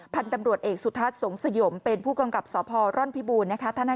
พันธุ์ดำรวจเอกสุธาธิ์ส่งสยมเป็นผู้กังกลับสภบรรรณบีบูรณ์นะคะ